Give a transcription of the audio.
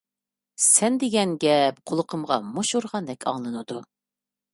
سەن دېگەن گەپ قۇلىقىمغا مۇش ئۇرغاندەك ئاڭلىنىدۇ.